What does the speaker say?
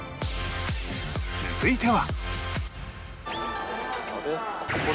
続いては